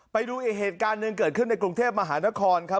ไปดูอีกเหตุการณ์หนึ่งเกิดขึ้นในกรุงเทพมหานครครับ